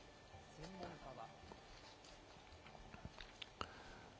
専門家は。